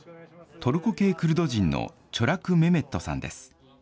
トルコ系クルド人のチョラク・メメットさんです。